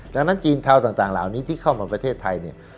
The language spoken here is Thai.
ดังนั้นจีนเทาต่างเหล่านี้ที่เข้ามาประเทศไทยเนี่ย